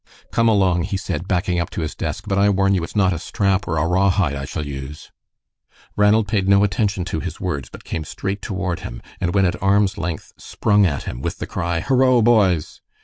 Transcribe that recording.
"Come along!" he said, backing up to his desk. "But I warn you it's not a strap or a rawhide I shall use." Ranald paid no attention to his words, but came straight toward him, and when at arm's length, sprung at him with the cry, "Horo, boys!"